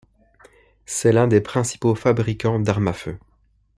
C'est l'un des principaux fabricants d'armes à feu.